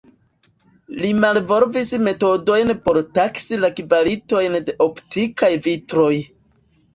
Li malvolvis metodojn por taksi la kvalitojn de optikaj vitroj.